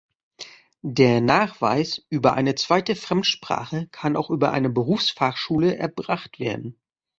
Der Nachweis über eine zweite Fremdsprache kann auch über eine Berufsfachschule erbracht werden.